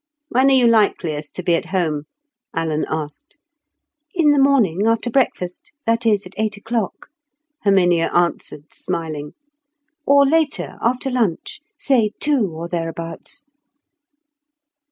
"When are you likeliest to be at home?" Alan asked. "In the morning, after breakfast—that is, at eight o'clock," Herminia answered, smiling; "or later, after lunch, say two or thereabouts."